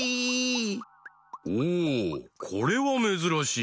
おおこれはめずらしい。